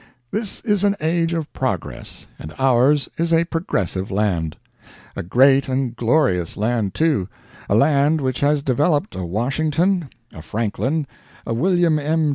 This is an age of progress, and ours is a progressive land. A great and glorious land, too a land which has developed a Washington, a Franklin, a William M.